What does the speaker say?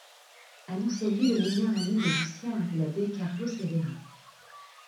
Annoncez-lui le meilleur ami de Lucien, l’abbé Carlos Herrera...